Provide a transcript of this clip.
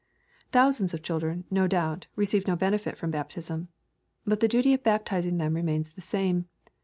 Thousand? of children, no doubt, receive no LUKE, CHAP. XVIII. 267 benefit from baptism. But the duty of baptizing them remains the same.